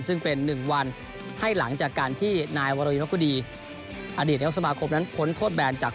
เป็นหนึ่งวันให้หลังจากการที่นายวรวีมรกฎีอดีตในยกสมาครบนั้นพ้นโทษแบนจาก